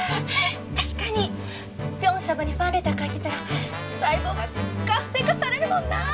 確かにピョン様にファンレター書いてたら細胞が活性化されるもんなぁ。